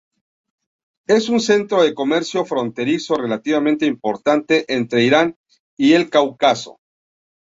Es un centro de comercio fronterizo relativamente importante entre Irán y el Cáucaso.